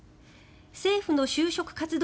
政府の就職活動